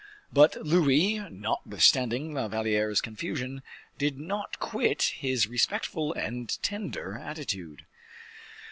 But Louis, notwithstanding La Valliere's confusion, did not quit his respectful and tender attitude.